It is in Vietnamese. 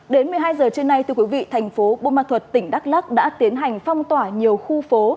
đến một mươi hai h trưa nay thành phố bô ma thuật tỉnh đắk lắc đã tiến hành phong tỏa nhiều khu phố